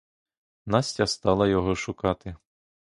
Настя стала його шукати.